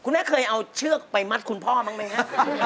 คุณแม่เคยเอาเชือกไปมัธคุณพ่อมั้งไหมฮะ